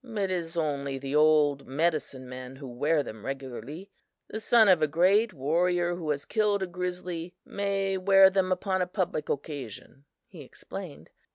"It is only the old medicine men who wear them regularly. The son of a great warrior who has killed a grizzly may wear them upon a public occasion," he explained.